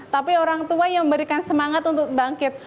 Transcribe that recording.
tapi orang tua yang memberikan semangat untuk bangkit